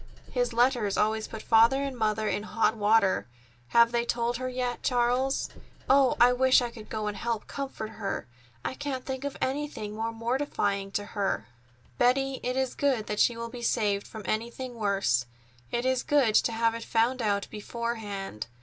His letters always put Father and Mother in hot water. Have they told her yet, Charles? Oh, I wish I could go and help comfort her! I can't think of anything more mortifying for her." "Betty, it is good that she will be saved from anything worse. It is good to have it found out beforehand."